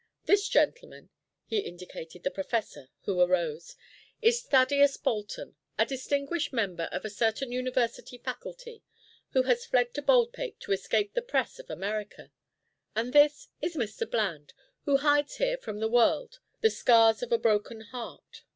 This gentleman" he indicated the professor, who arose "is Thaddeus Bolton, a distinguished member of a certain university faculty, who has fled to Baldpate to escape the press of America. And this is Mr. Bland, who hides here from the world the scars of a broken heart.